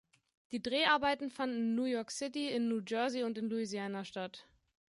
Die Dreharbeiten fanden in New York City, in New Jersey und in Louisiana statt.